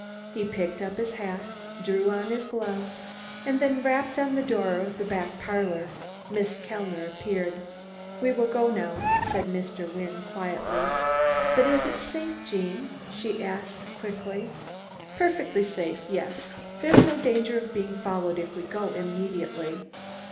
He picked up his hat, drew on his gloves and then rapped on the door of the back parlor. Miss Kellner appeared. "We will go now," said Mr. Wynne quietly. "But is it safe, Gene?" she asked quickly. "Perfectly safe, yes. There's no danger of being followed if we go immediately."